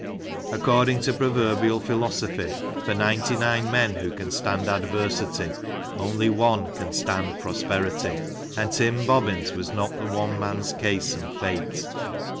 According to proverbial philosophy, for ninety nine men who can stand adversity, only one can stand prosperity, and Tim Bobbin's was not the one man's case and fate.